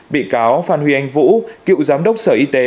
bị cáo phan huy anh vũ cựu giám đốc sở y tế